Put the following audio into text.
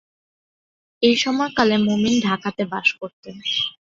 এই সময়কালে মুমিন ঢাকাতে বসবাস করতেন।